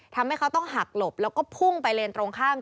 ทำให้เขาต้องหักหลบแล้วก็พุ่งไปเลนตรงข้าม